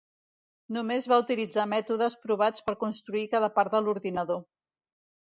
Només va utilitzar mètodes provats per construir cada part de l'ordinador.